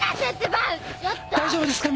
大丈夫ですか？